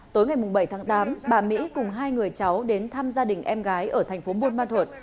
tối ngày bảy tháng tám bà mỹ cùng hai người cháu đến thăm gia đình em gái ở thành phố buôn ma thuột